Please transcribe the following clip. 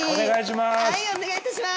お願いします！